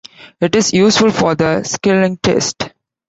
It is useful for the Schilling test.